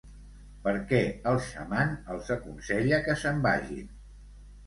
Per què el xaman els aconsella que se'n vagin?